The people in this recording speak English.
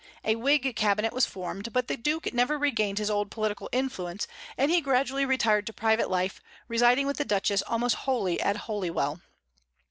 A Whig cabinet was formed, but the Duke never regained his old political influence, and he gradually retired to private life, residing with the Duchess almost wholly at Holywell.